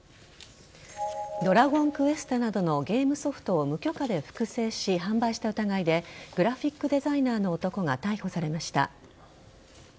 「ドラゴンクエスト」などのゲームソフトを無許可で複製し販売した疑いでグラフィックデザイナーの男が逮捕されました。